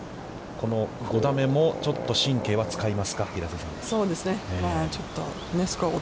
この５打目もちょっと神経は使いますか、平瀬さん。